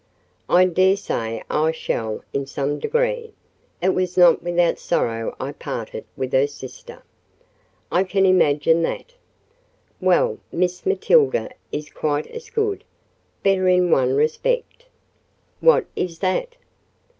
"I dare say I shall in some degree: it was not without sorrow I parted with her sister." "I can imagine that." "Well, Miss Matilda is quite as good—better in one respect." "What is that?"